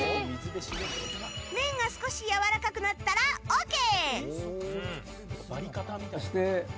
麺が少しやわらかくなったらＯＫ。